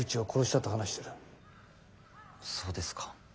そうですか。